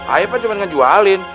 ayo pak cuma dengan jualin